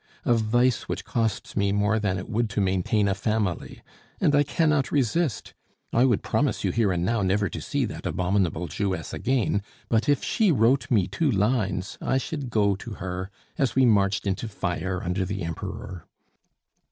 A vice which costs me more than it would to maintain a family! And I cannot resist! I would promise you here and now never to see that abominable Jewess again; but if she wrote me two lines, I should go to her, as we marched into fire under the Emperor."